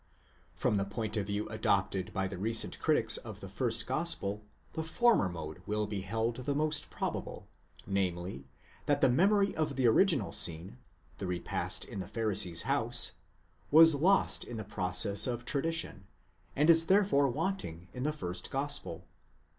From the point of view adopted by the recent critics of the first gospel, the former mode will be held the most probable, namely, that the memory of the original scene, the repast in the Pharisee's house, was lost in the process of tradition,. and is therefore wanting in the first gospel.